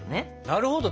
なるほど。